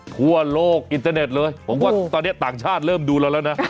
ทั่วโลกอินเทอร์เน็ตเลยผมว่าตอนนี้ต่างชาติเริ่มดูเราแล้วนะ